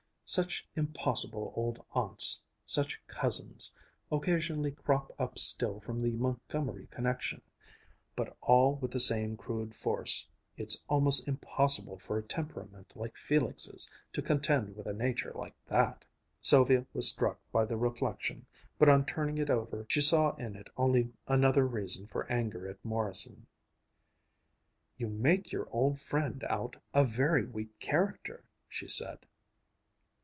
Such impossible old aunts such cousins occasionally crop up still from the Montgomery connection. But all with the same crude force. It's almost impossible for a temperament like Felix's to contend with a nature like that." Sylvia was struck by the reflection, but on turning it over she saw in it only another reason for anger at Morrison. "You make your old friend out as a very weak character," she said.